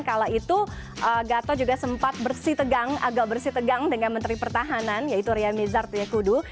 kala itu gatot juga sempat bersih tegang agak bersih tegang dengan menteri pertahanan yaitu ria mizar tuyekudu